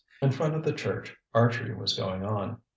In front of the church archery was going on.